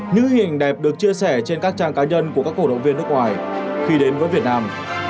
những hình đẹp được chia sẻ trên các trang cá nhân của các cổ động viên nước ngoài khi đến với việt nam